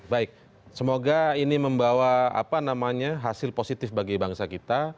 baik semoga ini membawa hasil positif bagi bangsa kita